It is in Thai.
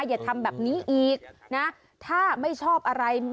อย่าทำแบบนี้อีกนะถ้าไม่ชอบอะไร